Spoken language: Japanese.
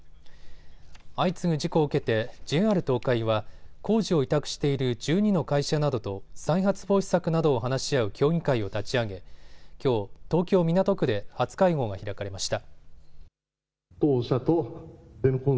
相次ぐ事故を受けてＪＲ東海は工事を委託している１２の会社などと再発防止策などを話し合う協議会を立ち上げきょう、東京港区で初会合が開かれました。